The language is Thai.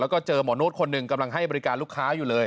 แล้วก็เจอหมอนวดคนหนึ่งกำลังให้บริการลูกค้าอยู่เลย